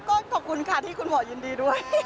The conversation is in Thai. ก็ขอบคุณค่ะที่คุณหมอยินดีด้วย